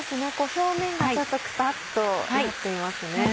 表面がちょっとくたっとなっていますね。